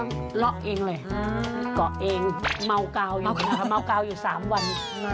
เมาเกาอยู่สามวัน